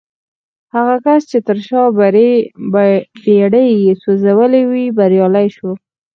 هغه کس چې تر شا بېړۍ يې سوځولې وې بريالی شو.